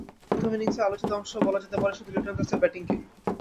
বাংলাদেশের প্রথম ইনিংসের আলোকিত অংশ বলা যেতে পারে শুধু লিটন দাসের ব্যাটিংকেই।